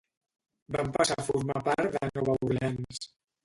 Van passar a formar part de Nova Orleans.